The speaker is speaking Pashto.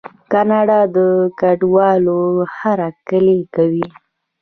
کاناډا د کډوالو هرکلی کوي.